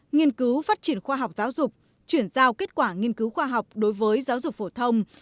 nghiên cứu phát triển khoa học giáo dục chuyển giao kết quả nghiên cứu khoa học đối với giáo dục phổ thông